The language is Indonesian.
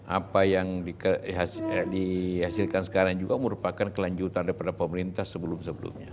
apa yang dihasilkan sekarang juga merupakan kelanjutan daripada pemerintah sebelum sebelumnya